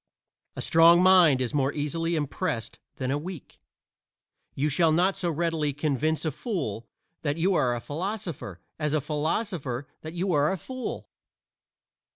A strong mind is more easily impressed than a weak; you shall not so readily convince a fool that you are a philosopher as a philosopher that you are a fool.